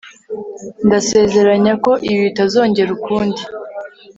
Ndasezeranya ko ibi bitazongera ukundi